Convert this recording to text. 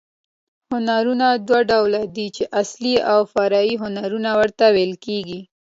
هنرونه دوه ډول دي، چي اصلي او فرعي هنرونه ورته ویل کېږي.